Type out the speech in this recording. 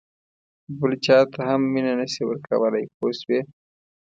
بل چاته هم مینه نه شې ورکولای پوه شوې!.